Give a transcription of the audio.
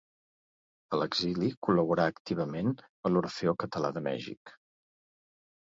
A l'exili col·laborà activament a l'Orfeó Català de Mèxic.